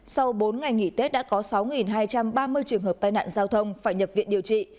sau bốn ngày nghỉ tết đã có sáu hai trăm ba mươi trường hợp tai nạn giao thông phải nhập viện điều trị